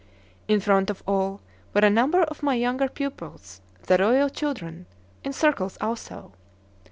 In front of all were a number of my younger pupils, the royal children, in circles also.